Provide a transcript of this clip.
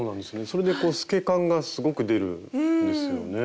それで透け感がすごく出るんですよね。